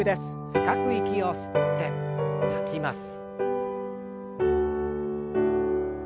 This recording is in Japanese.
深く息を吸って吐きます。